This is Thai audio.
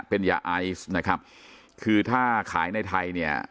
เป็นยาไอซ์นะครับคือถ้าขายในไทยเนี่ย